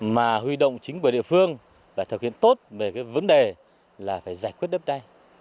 mà huy động chính quyền địa phương phải thực hiện tốt về cái vấn đề là phải giải quyết đất đai